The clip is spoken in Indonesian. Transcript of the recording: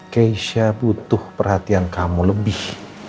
keisha butuh perhatian kamu lebih